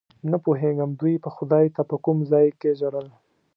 نه پوهېږم دوی به خدای ته په کوم ځای کې ژړل.